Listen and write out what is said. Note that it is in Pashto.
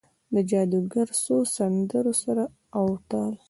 د جادوګرو څو سندرو سر او تال،